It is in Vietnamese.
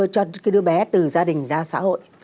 cái đứa bé từ gia đình ra xã hội